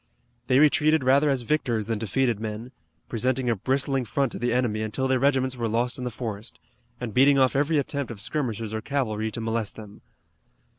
They retreated rather as victors than defeated men, presenting a bristling front to the enemy until their regiments were lost in the forest, and beating off every attempt of skirmishers or cavalry to molest them.